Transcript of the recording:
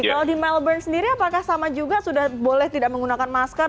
kalau di melbourne sendiri apakah sama juga sudah boleh tidak menggunakan masker